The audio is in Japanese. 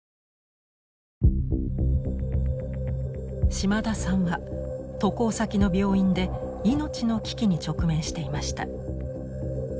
島田さんは渡航先の病院で命の危機に直面していました。